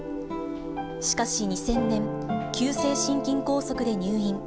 しかし２０００年、急性心筋梗塞で入院。